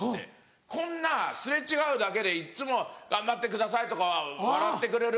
こんな擦れ違うだけでいっつも『頑張ってください』とか笑ってくれる。